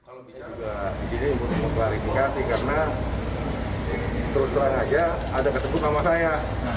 kalau bicara di sini ini harus diklarifikasi karena terus terang aja ada keseput sama saya